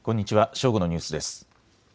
正午のニュースです。